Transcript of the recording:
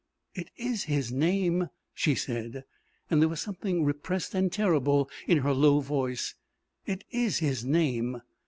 "It is his name," she said, and there was something repressed and terrible in her low voice. "It is his name!"